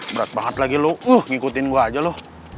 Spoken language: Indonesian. berat banget lagi lo ngikutin gue aja lo